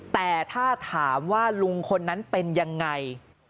แต่ถ้าถามว่าลุงคนนั้นเป็นยังไง